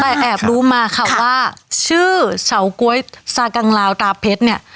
แต่แอบรู้มาค่ะว่าชื่อเฉาก๊วยซากังลาวตาเพชรเนี่ย